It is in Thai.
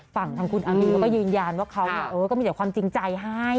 ฝั่งทางคุณอามีเขาก็ยืนยันว่าเขาก็มีแต่ความจริงใจให้